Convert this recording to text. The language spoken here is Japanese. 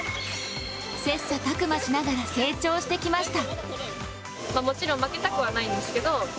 切磋琢磨しながら成長してきました。